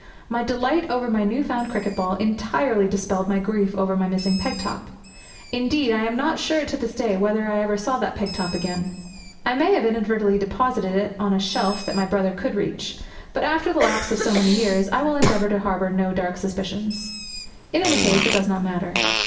My delight over my new found cricket ball entirely dispelled my grief over my missing peg top. Indeed, I am not sure to this day whether I ever saw that peg top again. I may have inadvertently deposited it on a shelf that my brother could reach; but after the lapse of so many years I will endeavour to harbour no dark suspicions. In any case, it does not matter.